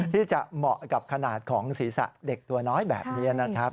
ที่จะเหมาะกับขนาดของศีรษะเด็กตัวน้อยแบบนี้นะครับ